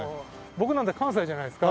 僕なんて関西じゃないですか。